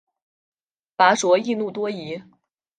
拔灼易怒多疑。